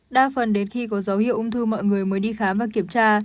đa phần đến khi có dấu hiệu ung thư mọi người mới đi khám và kiểm tra